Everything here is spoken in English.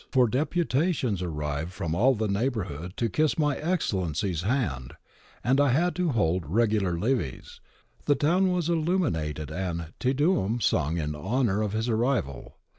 THE PSEUDO GARIBALDI i6i deputations arrived from all the neighbourhood to kiss my excellency's hand, and I had to hold regular levees.' The town was illuminated and Te Deum sung in honour of his arrival.